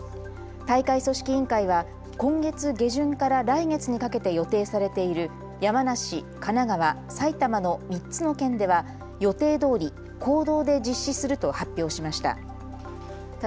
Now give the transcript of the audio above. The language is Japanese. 大会組織委員会は今月下旬から来月にかけて予定されている山梨、神奈川、埼玉の３つの県では予定どおり公道で実施すると発表しました。